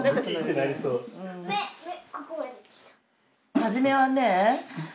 初めはね